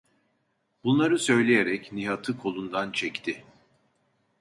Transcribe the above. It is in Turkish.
Bunları söyleyerek Nihat’ı kolundan çekti.